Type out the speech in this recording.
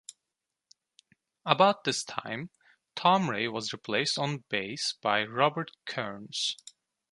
About this time, Tom Ray was replaced on bass by Robert Kearns.